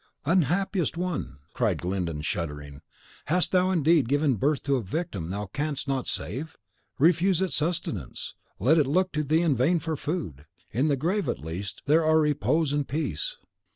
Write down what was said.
"Unhappiest one!" cried Glyndon, shuddering, "hast thou indeed given birth to a victim thou canst not save? Refuse it sustenance, let it look to thee in vain for food! In the grave, at least, there are repose and peace!"